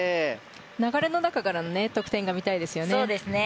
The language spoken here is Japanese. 流れの中からの得点が見たいですよね。